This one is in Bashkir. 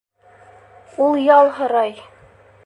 Ул ял һорай.